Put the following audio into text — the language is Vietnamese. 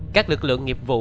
các lực lượng nghiệp vụ